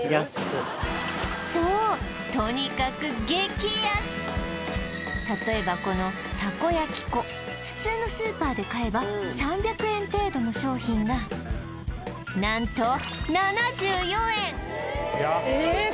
そうとにかく激安例えばこのたこ焼粉普通のスーパーで買えば３００円程度の商品が何と７４円ええっ